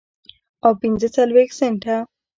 او پنځه څلوېښت سنټه